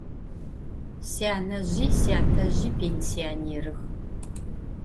Syanezji syatezji pênsionêrıx.